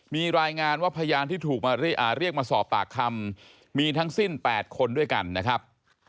มีรายงานว่าพยานที่ถูกเรียกมาสอบปากคำมีทั้งสิ้น๘คนด้วยกันนะครับ